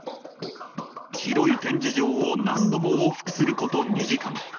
広い展示場を何度も往復すること２時間。